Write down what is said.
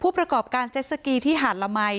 ประกอบการเจ็ดสกีที่หาดละมัย